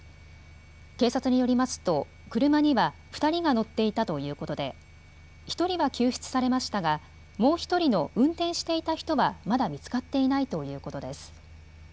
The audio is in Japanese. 警察によりますと車には２人が乗っていたということで１人は救出されましたがもう１人の運転していた人はまだ見つかっていないということです。